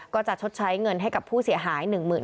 จะชดใช้เงินให้กับผู้เสียหาย